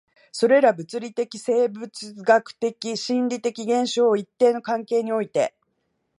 それら物理的、生物学的、心理的現象を一定の関係において